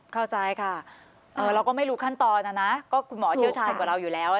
เข้าใจค่ะเราก็ไม่รู้ขั้นตอนนะนะก็คุณหมอเชี่ยวชาญกว่าเราอยู่แล้ว